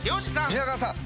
宮川さん